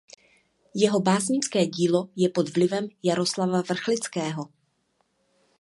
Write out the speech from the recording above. Jeho básnické dílo je pod vlivem Jaroslava Vrchlického.